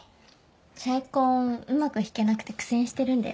『チャイコン』うまく弾けなくて苦戦してるんだよね。